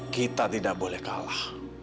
kita tidak boleh kalah